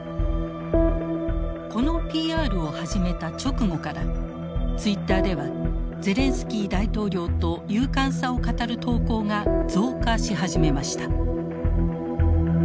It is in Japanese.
このＰＲを始めた直後からツイッターではゼレンスキー大統領と勇敢さを語る投稿が増加し始めました。